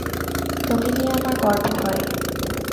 তোকে নিয়ে আমার গর্ব হয়।